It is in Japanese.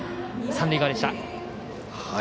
三塁側でした。